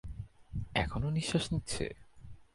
এখনো নিশ্বাস নিচ্ছে।